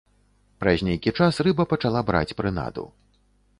Праз нейкі час рыба пачала браць прынаду.